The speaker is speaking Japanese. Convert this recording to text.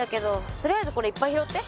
とりあえずこれいっぱい拾って。